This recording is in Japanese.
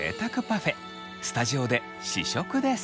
スタジオで試食です！